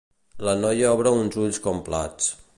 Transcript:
La noia obre uns ulls com plats.